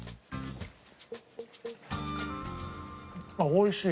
おいしい。